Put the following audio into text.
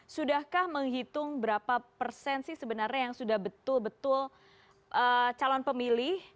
sudahkah menghitung berapa persen sih sebenarnya yang sudah betul betul calon pemilih